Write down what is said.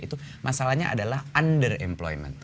itu masalahnya adalah underemployment